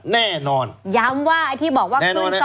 แน่นอนย้ำว่าขึ้นซองละ๓๐บาท